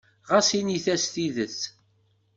Ɣas init-as tidet.